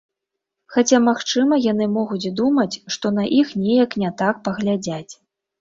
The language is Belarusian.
Хаця магчыма яны могуць думаць, што на іх неяк не так паглядзяць.